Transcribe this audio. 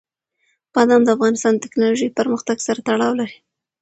بادام د افغانستان د تکنالوژۍ پرمختګ سره تړاو لري.